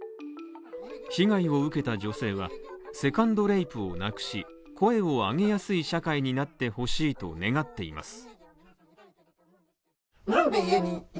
被害を受けた女性は、セカンドレイプをなくし声を上げやすい社会になってほしいと願っています。